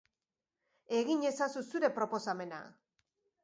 Egin ezazu zure proposamena!